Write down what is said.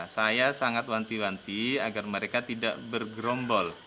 saya sangat wanti wanti agar mereka tidak bergerombol